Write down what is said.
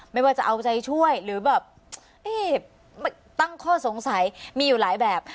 ไม่ว่าจะเอาใจช่วยหรือแบบตั้งข้อสงสัยมีอยู่หลายแบบ